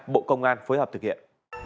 bộ công an phối hợp thực hiện